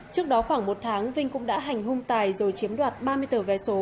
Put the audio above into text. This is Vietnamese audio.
trước đó khoảng một tháng vinh cũng đã hành hung tài rồi chiếm đoạt ba mươi tờ vé số